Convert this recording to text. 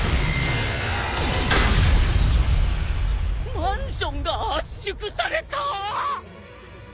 マンションが圧縮された！？